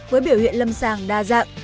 với biểu hiện lâm sàng đa dạng